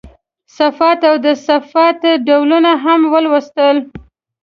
صفت او د صفت ډولونه هم ولوستل.